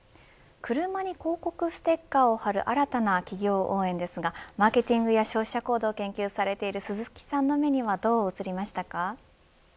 車に広告ステッカーを貼る新たな企業応援ですがマーケティングや消費者行動を研究されている鈴木さんの目にはどう映りましたか。